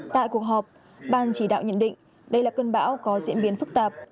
tại cuộc họp ban chỉ đạo nhận định đây là cơn bão có diễn biến phức tạp